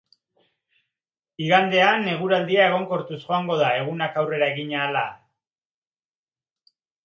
Igandean, eguraldia egonkortuz joango da egunak aurrera egin ahala.